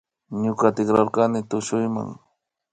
Ñuka tikrarkani tushuyma